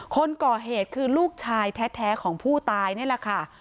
คนก่อเหตุคือลูกชายแท้ของผู้ตายนี่แหละค่ะ